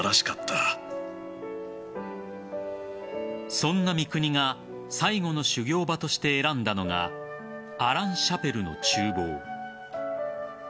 そんな三國が最後の修業場として選んだのがアラン・シャペルの厨房。